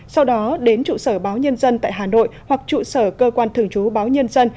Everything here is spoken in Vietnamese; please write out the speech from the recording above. sau đó đến trụ sở báo nhân dân tại hà nội hoặc trụ sở cơ quan thường trú báo nhân dân